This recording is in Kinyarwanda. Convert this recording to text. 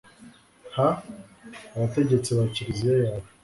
ha abategetsi ba kiliziya yawe